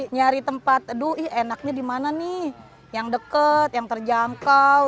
nyari tempat aduh enaknya dimana nih yang deket yang terjangkau